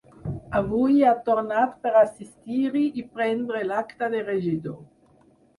Avui hi ha tornat per assistir-hi i prendre l’acta de regidor.